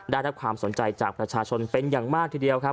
ได้รับความสนใจจากประชาชนเป็นอย่างมากทีเดียวครับ